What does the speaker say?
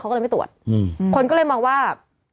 เขาก็เลยไม่ตรวจคนก็เลยมองว่า